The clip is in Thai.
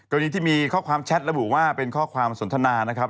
กรณีที่มีข้อความแชทระบุว่าเป็นข้อความสนทนานะครับ